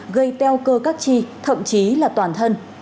gây teo cơ các chi thậm chí là toàn thân